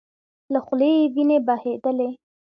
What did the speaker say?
له خولې يې وينې بهيدلې.